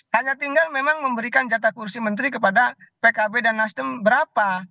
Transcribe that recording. hanya tinggal memang memberikan jatah kursi menteri kepada pkb dan nasdem berapa